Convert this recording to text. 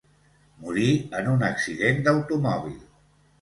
Morí en un accident d'automòbil.